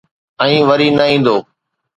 ۽ وري نه ايندو.